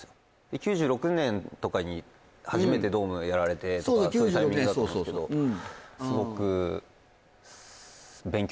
９６年とかに初めてドームやられてとかそういうタイミングだと思うんですけどへえ